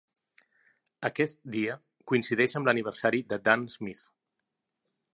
Aquest dia, coincideix amb l'aniversari de Dan Smith.